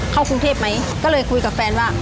เข้ากรุงเทพไหมก็เลยคุยกับแฟนว่า